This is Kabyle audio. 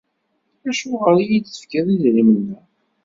Acuɣer i iyi-d-tefkiḍ idrimen-a?